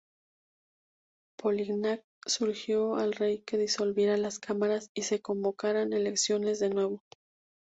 Polignac sugirió al rey que disolviera las cámaras, y se convocaron elecciones de nuevo.